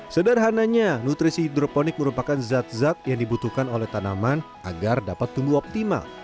sederhananya nutrisi hidroponik merupakan zat zat yang dibutuhkan oleh tanaman agar dapat tumbuh optimal